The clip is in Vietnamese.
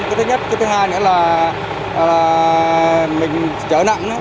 cái thứ nhất cái thứ hai nữa là mình chở nặng